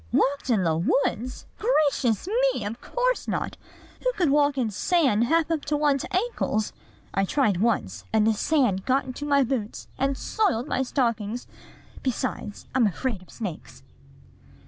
"Walked in the woods? Gracious me! Of course not! Who could walk in sand half up to one's ankles? I tried once; and the sand got into my boots, and soiled my stockings: besides, I'm afraid of snakes."